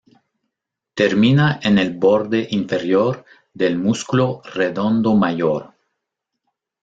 Termina en el borde inferior del músculo redondo mayor.